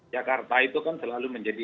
jakarta itu kan selalu menjadi